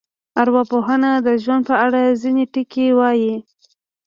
ارواپوهنه د ژوند په اړه ځینې ټکي وایي.